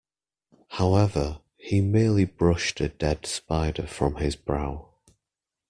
However, he merely brushed a dead spider from his brow.